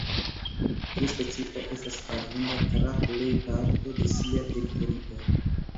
Tiu specio estas abunda tra plej parto de sia teritorio.